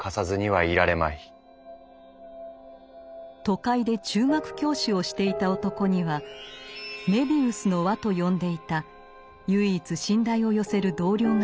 都会で中学教師をしていた男には「メビウスの輪」と呼んでいた唯一信頼を寄せる同僚がいました。